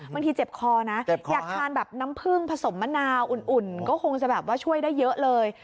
บางทีเจ็บคอนะอยากทานแบบน้ำผึ้งผสมมะนาวอุ่นก็คงจะแบบว่าช่วยได้เยอะเลย